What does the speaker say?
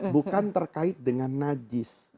bukan terkait dengan najis